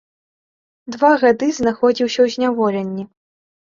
Два гады знаходзіўся ў зняволенні.